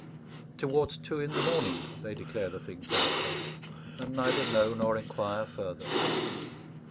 Towards two in the morning they declare the thing takes place, and neither know nor inquire further.